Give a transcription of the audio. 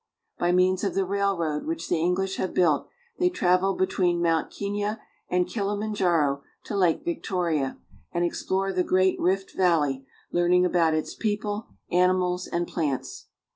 By means of the railroad, which the English have built, they travel between Mount Kenia and Kilimanjaro to Lake Victoria, and explore the great Rift valley, learning about its people, animals, and plants.